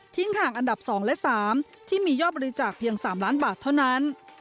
ห่างอันดับ๒และ๓ที่มียอดบริจาคเพียง๓ล้านบาทเท่านั้น